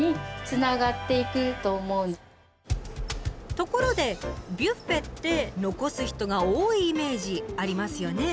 ところでビュッフェって残す人が多いイメージありますよね？